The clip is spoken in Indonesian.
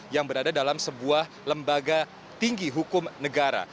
yang berada dalam sebuah lembaga tinggi hukum negara